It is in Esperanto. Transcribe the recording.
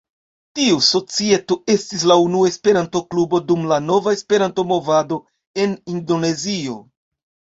Tiu societo estis la unua Esperanto-klubo dum la nova Esperanto-movado en Indonezio.